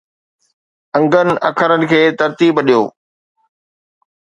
انگن اکرن کي ترتيب ڏيو